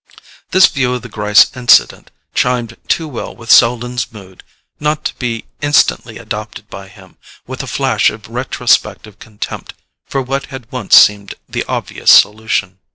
This view of the Gryce incident chimed too well with Selden's mood not to be instantly adopted by him, with a flash of retrospective contempt for what had once seemed the obvious solution.